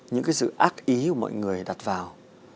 những cái sự ác ý của mọi người đặt vào